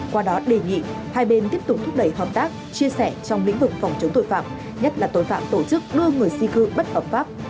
qua đó đề nghị hai bên tiếp tục thúc đẩy hợp tác chia sẻ trong lĩnh vực phòng chống tội phạm nhất là tội phạm tổ chức đưa người di cư bất hợp pháp